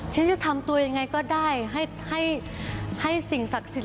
จะทำตัวยังไงก็ได้ให้สิ่งศักดิ์สิทธิ